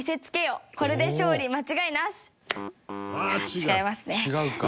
違います。